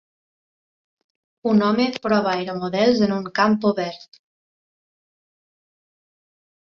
Un home prova aeromodels en un camp obert.